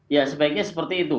ya sebaiknya seperti itu